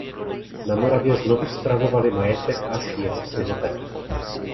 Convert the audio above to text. Na Moravě znovu spravovali majetek až jeho synové.